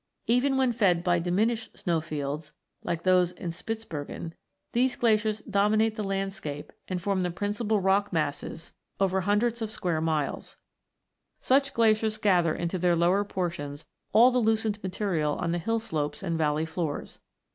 Even when fed by diminished snow fields, like those in Spitsbergen, these glaciers dominate the landscape and form the principal rock masses over hundreds of 72 100 ROCKS AND THEIR ORIGINS [CH. square miles. Such glaciers gather into their lower portions all the loosened material on the hill slopes and valley floors.